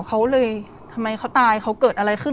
เขาเลยทำไมเขาตายเขาเกิดอะไรขึ้น